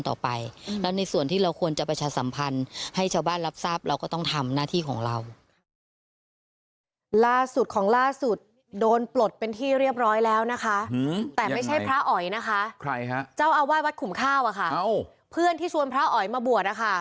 แต่ไม่ใช่พระอ๋อยนะคะเจ้าอาวาสวัดขุมข้าวอะค่ะเพื่อนที่ชวนพระอ๋อยมาบวชนะคะ